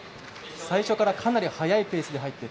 最初からかなり速いペースで入って。